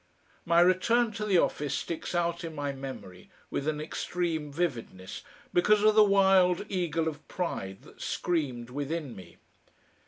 My return to the office sticks out in my memory with an extreme vividness, because of the wild eagle of pride that screamed within me.